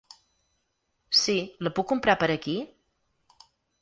Si, la puc comprar per aquí?